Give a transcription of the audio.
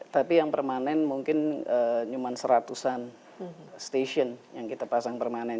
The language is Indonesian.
tapi yang permanen mungkin cuma seratusan stasiun yang kita pasang permanen